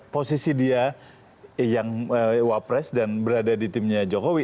posisi dia yang wapres dan berada di timnya jokowi